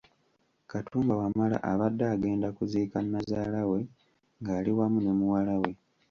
Katumba Wamala abadde agenda kuziika Nnazaala we ng’ali wamu ne muwala we.